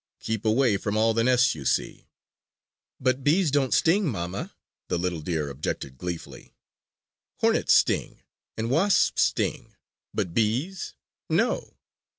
Keep away from all the nests you see!" "But bees don't sting, mamma!" the little deer objected gleefully. "Hornets sting, and wasps sting; but bees, no!"